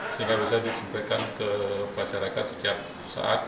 sehingga bisa disampaikan ke pasir rekan setiap saat